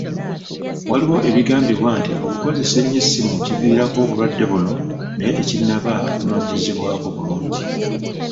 Waliwo ebigambibwa nti okukozesa ennyo esimu kiviirako obulwadde buno naye tekinnaba kunoonyerezebwako bulungi